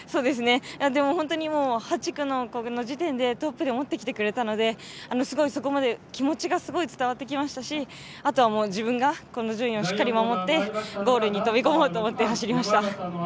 でも、本当に８区の子の時点でトップで持ってきてくれたので気持ちがすごい伝わってきましたしあとは、自分がこの順位をしっかり守ってゴールに飛び込もうと思って走りました。